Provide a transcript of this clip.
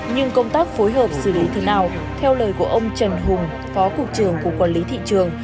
nhưng công tác phối hợp xử lý thế nào theo lời của ông trần hùng phó cục trưởng cục quản lý thị trường